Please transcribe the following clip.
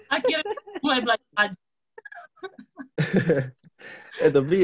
akhirnya mulai belajar baju